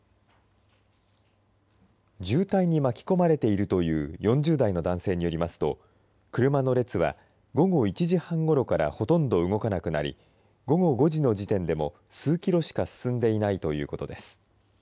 渋滞に巻き込まれているという４０代の男性によりますと車の列は午後１時半ごろからほとんど動かなくなり午後５時の時点でも数キロしか進んでいないということです。